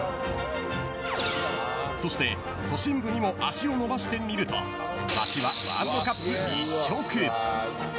そして都心部にも足を伸ばしてみると街はワールドカップ一色。